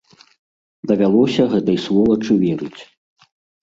Давялося гэтай сволачы верыць.